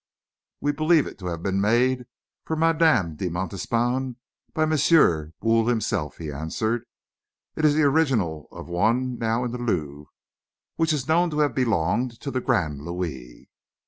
"We believe it to have been made for Madame de Montespan by Monsieur Boule himself," he answered. "It is the original of one now in the Louvre which is known to have belonged to the Grand Louis."